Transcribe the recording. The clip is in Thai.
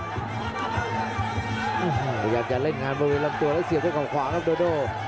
พยายามจะเล่นงานบริเวณลำตัวแล้วเสียบด้วยเขาขวาครับโดโด